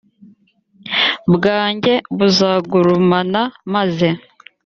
bwanjye buzagurumana maze